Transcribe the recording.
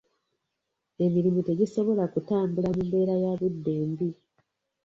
Emirimu tegisobola kutambula mu mbeera ya budde embi.